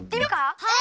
はい！